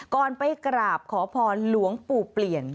ไปกราบขอพรหลวงปู่เปลี่ยน